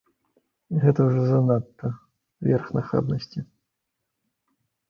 Гэта ўжо занадта, верх нахабнасці.